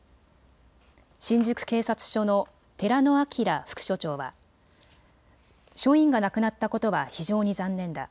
新宿警察署の寺野彰副署長は署員が亡くなったことは非常に残念だ。